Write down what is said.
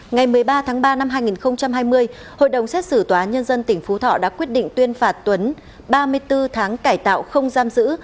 ngày một mươi ba tháng ba năm hai nghìn hai mươi hội đồng xét xử tòa nhân dân tỉnh phú thọ đã quyết định tuyên phạt tuấn ba mươi bốn tháng cải tạo không giam giữ